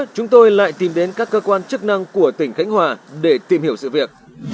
chúng tôi lại tìm đến các cơ quan chức năng của tỉnh khánh hòa để tìm hiểu sự việc